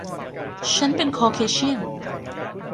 ฉันเป็นคอร์เคเชี่ยน